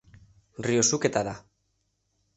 Ryosuke Tada